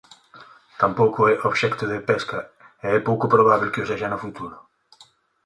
Tampouco é obxecto de pesca e é pouco probábel que o sexa no futuro.